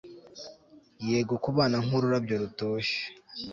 Yego kubana nk ururabyo rutoshye